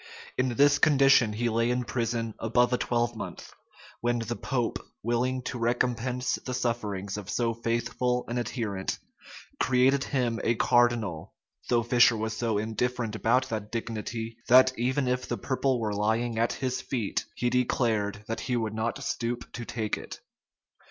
[*] In this condition he lay in prison above a twelvemonth; when the pope, willing to recompense the sufferings of so faithful an adherent, created him a cardinal though Fisher was so indifferent about that dignity, that, even if the purple were lying at his feet, he declared that he would not stoop to take it.